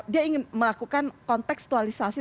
dia ingin melakukan konteksualisasi